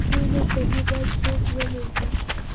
د شولو پولې باید څوک وریبي؟